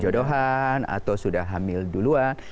jodohan atau sudah hamil duluan